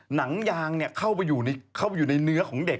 หนังยางเข้าไปอยู่ในเนื้อของเด็ก